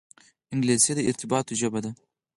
انګلیسي د ارتباطاتو ژبه ده